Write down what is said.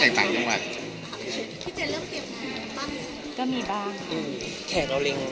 แล้วก็ไม่ได้ทำอะไรที่เดือดนอนใคร